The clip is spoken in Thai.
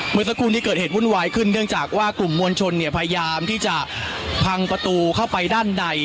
เมื่อสักครู่นี้เกิดเหตุวุ่นวายขึ้นเนื่องจากว่ากลุ่มมวลชนเนี่ยพยายามที่จะพังประตูเข้าไปด้านใน